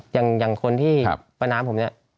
อย่างคนที่ประนามผมเนี่ย